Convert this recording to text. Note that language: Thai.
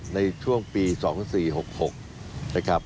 ในช่วงปี๒๔๖๖นะครับ